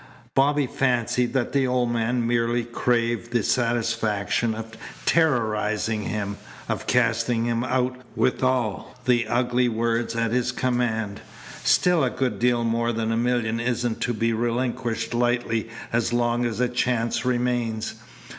Bobby fancied that the old man merely craved the satisfaction of terrorizing him, of casting him out with all the ugly words at his command. Still a good deal more than a million isn't to be relinquished lightly as long as a chance remains.